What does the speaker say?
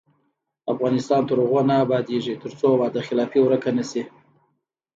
افغانستان تر هغو نه ابادیږي، ترڅو وعده خلافي ورکه نشي.